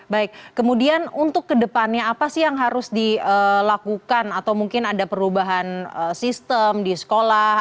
baik kemudian untuk kedepannya apa sih yang harus dilakukan atau mungkin ada perubahan sistem di sekolah